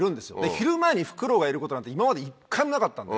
昼前にフクロウがいることなんて今まで一回もなかったんで。